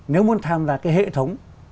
nếu muốn tham gia cái hệ thống